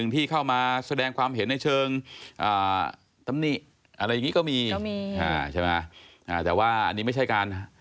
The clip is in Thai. แต่ว่าอันนี้ไม่ใช่การ